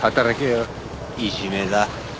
いじめだ。